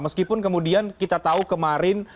meskipun kemudian kita tahu kemarin